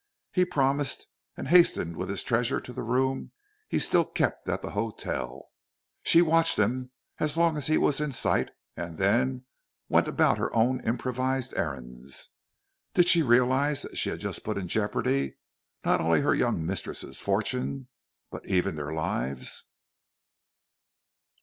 He promised, and hastened with his treasure to the room he still kept at the hotel. She watched him as long as he was in sight and then went about her own improvised errands. Did she realize that she had just put in jeopardy not only her young mistresses' fortunes, but even their lives?